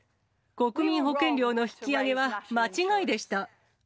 国民保険料の引き上げは間違いでした。